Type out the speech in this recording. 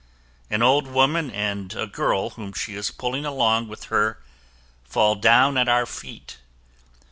An old woman and a girl whom she is pulling along with her fall down at our feet.